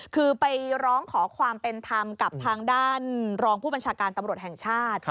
คือไปร้องขอความเป็นธรรมกับทางด้านรองผู้บัญชาการตำรวจแห่งชาติ